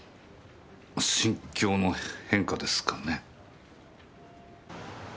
心境の変化ですかね？